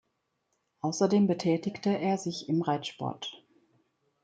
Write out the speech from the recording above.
Außerdem betätigte er sich im Reitsport.